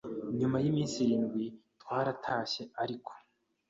nyuma y’iminsi irindwi, twaratashye ariko